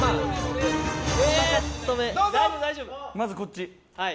まずこっち。